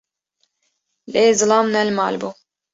Lê zilam ne li mal bû